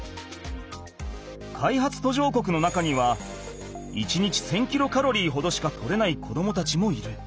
開発途上国の中には１日１，０００キロカロリーほどしか取れない子どもたちもいる。